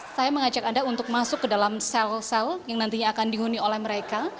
saya mengajak anda untuk masuk ke dalam sel sel yang nantinya akan dihuni oleh mereka